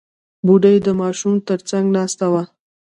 بوډۍ د ماشوم تر څنګ ناسته وه.